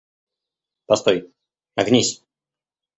Постой, нагнись!